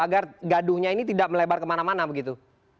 agar gaduhnya ini tidak melebar kemana mana begitu